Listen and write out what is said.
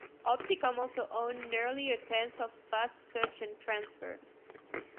Opticom also owned nearly a tenth of Fast Search and Transfer.